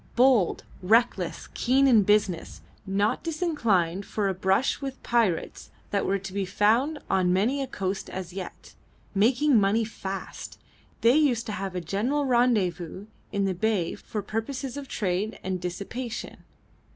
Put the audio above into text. Bold, reckless, keen in business, not disinclined for a brush with the pirates that were to be found on many a coast as yet, making money fast, they used to have a general "rendezvous" in the bay for purposes of trade and dissipation.